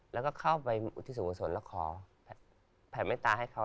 แล้วก็เข้าไปที่สวงสนแล้วขอแผ่นแม่ตาให้เขา